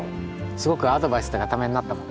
すごくアドバイスとかためになったもん。